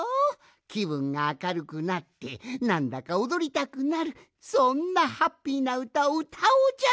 きぶんがあかるくなってなんだかおどりたくなるそんなハッピーなうたをうたおうじゃないか！